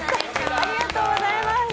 ありがとうございます。